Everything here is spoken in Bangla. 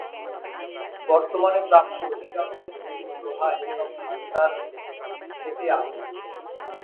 বর্তমানে প্রাপ্য অধিকাংশ খনিজ লোহা এসব ভাণ্ডার থেকেই আহরিত।